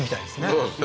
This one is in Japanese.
そうですね